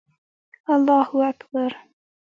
الله اکبر